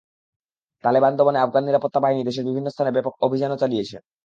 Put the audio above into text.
তালেবান দমনে আফগান নিরাপত্তা বাহিনী দেশের বিভিন্ন স্থানে ব্যাপক অভিযানও চালিয়ে যাচ্ছে।